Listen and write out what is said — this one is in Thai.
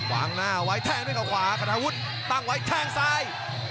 วางหน้าไว้แทงด้วยเขาขวาขณะวุฒิตั้งไว้แทงซ้าย